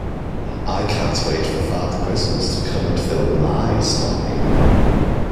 I can't wait for Father Christmas to come and fill my stocking